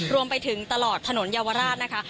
รวมไปถึงตลอดถนนเยาวราชนะคะ